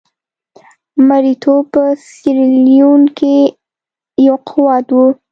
مریتوب په سیریلیون کې یو قوت وو.